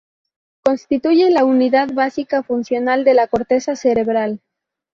Constituye la unidad básica funcional de la corteza cerebral.